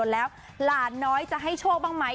ล้านน้อยจะให้โชคบ้างมั้ย